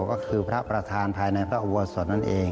ก็คือพระประธานภายในพระอุโบสถนั่นเอง